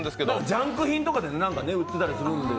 ジャンク品とかで売ってたりするんで。